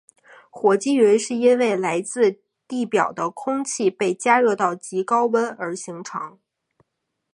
火积云是因为来自地表的空气被加热到极高温而形成。